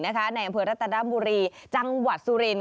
ในอำเภอรัตนบุรีจังหวัดสุรินท